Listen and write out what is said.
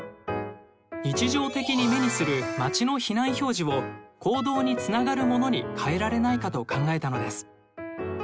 日常的に目にする街の避難表示を行動につながるものに変えられないかと考えたのです。